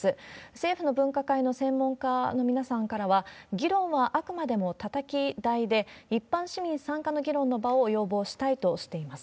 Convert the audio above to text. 政府の分科会の専門家の皆さんからは、議論はあくまでもたたき台で、一般市民参加の議論の場を要望したいとしています。